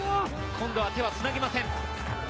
今度は手はつなぎません。